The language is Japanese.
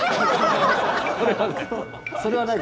それはない。